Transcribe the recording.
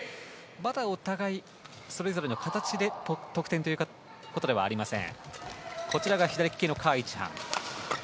まだお互いそれぞれの形で得点ということではありません。